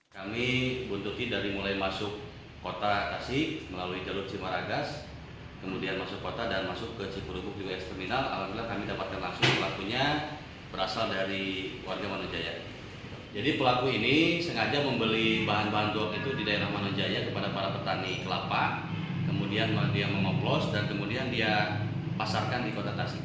jadi pelaku ini sengaja membeli bahan bahan tuak itu di daerah mananjaya kepada para petani kelapa kemudian dia mengoplos dan kemudian dia pasarkan di kota tasik